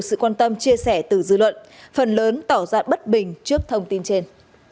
sự quan tâm chia sẻ từ dư luận phần lớn tỏ ra bất bình trước thông tin trên